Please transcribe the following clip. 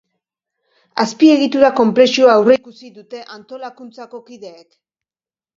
Azpiegitura konplexua aurreikusi dute antolakuntzako kideek.